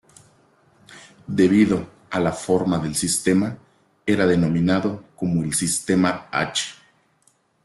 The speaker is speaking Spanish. Debido a la forma del sistema, era denominado como el "Sistema H".